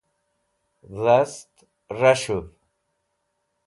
dast ras̃huv